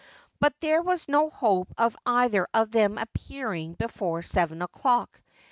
But there was no hope of either of them appearing before seven o'clock.